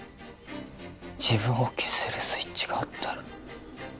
自分を消せるスイッチがあったら